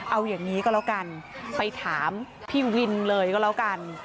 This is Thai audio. เอาอย่างนี้ก็แล้วกันไปถามพี่วินเลยก็แล้วกัน